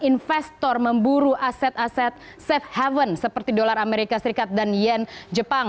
investor memburu aset aset safe haven seperti dolar amerika serikat dan yen jepang